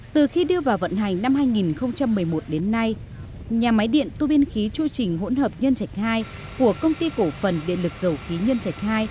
từ khi đưa vào vận hành năm hai nghìn một mươi một đến nay nhà máy điện tu biên khí chu trình hỗn hợp nhân trạch hai của công ty cổ phần điện lực dầu khí nhân trạch hai